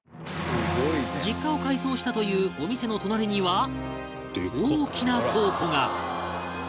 実家を改装したというお店の隣には大きな倉庫が